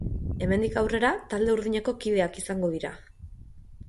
Hemendik aurrera, talde urdineko kideak izango dira.